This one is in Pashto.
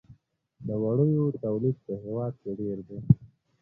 د وړیو تولید په هیواد کې ډیر دی